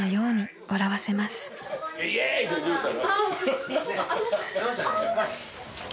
イエーイって言うた。